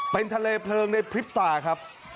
เป็นทะเลเพลิงในพริบตาครับ